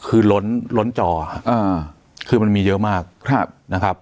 คือล้นล้นจอคือมันมีเยอะมากครับนะครับ